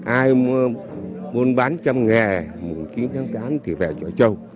ai buôn bán trăm nghề chín tháng tám thì về trọi trâu